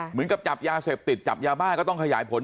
เหมือนกับจับยาเสพติดจับยาบ้าก็ต้องขยายผล